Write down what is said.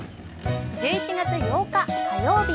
１１月８日火曜日。